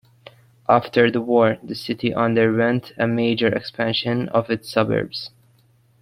After the war, the city underwent a major expansion of its suburbs.